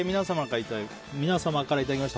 皆様からいただきました